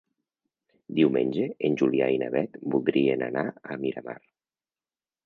Diumenge en Julià i na Beth voldrien anar a Miramar.